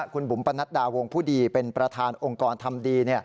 คุณบุ๋มปนัดดาวงผู้ดีเป็นประธานองค์กรทำดี